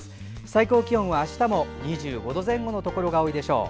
最高気温はあしたも２５度前後のところが多いでしょう。